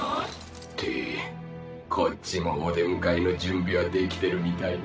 ってこっちもお出迎えの準備は出来てるみたいね。